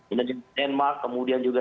indonesia denmark kemudian juga